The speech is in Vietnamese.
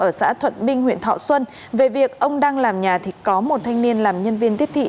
ở xã thuận minh huyện thọ xuân về việc ông đang làm nhà thì có một thanh niên làm nhân viên tiếp thị